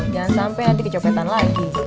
jangan sampai nanti kecopetan lagi